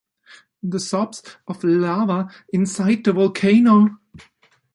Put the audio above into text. The sobs of lava inside the volcano.